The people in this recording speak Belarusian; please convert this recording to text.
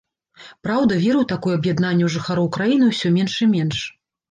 Праўда, веры ў такое аб'яднанне ў жыхароў краіны ўсё менш і менш.